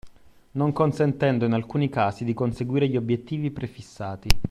Non consentendo in alcuni casi di conseguire gli obiettivi prefissati.